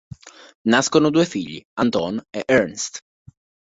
Nascono due figli: Anton e Ernst.